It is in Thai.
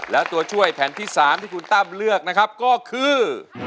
และตัวช่วยแผ่นที่๓ที่คุณตั้มเลือกนะครับก็คือ